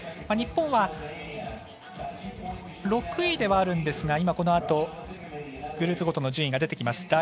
日本は、６位ではあるんですが今、このあとグループごとの順位が出てきます。